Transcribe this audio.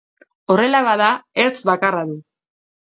Horrela bada, ertz bakarra du.